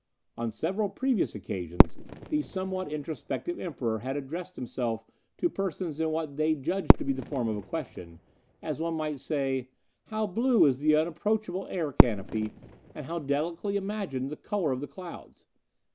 On several previous occasions the somewhat introspective Emperor had addressed himself to persons in what they judged to be the form of a question, as one might say, 'How blue is the unapproachable air canopy, and how delicately imagined the colour of the clouds!